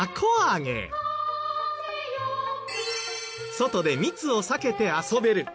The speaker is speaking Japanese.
外で密を避けて遊べる。